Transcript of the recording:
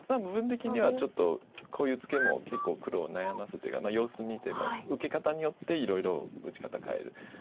部分的にはちょっとこういうツケも結構黒を悩ますというか様子見て受け方によっていろいろ打ち方変える。